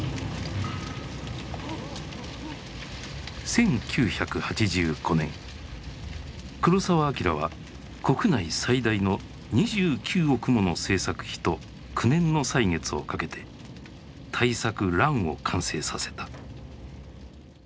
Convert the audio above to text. １９８５年黒澤明は国内最大の２９億もの製作費と９年の歳月をかけて大作「乱」を完成させた。